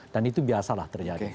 dan itu biasalah terjadi